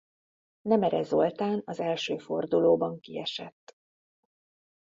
Nemere Zoltán az első fordulóban kiesett.